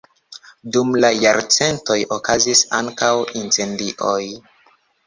Dum la jarcentoj okazis ankaŭ incendioj.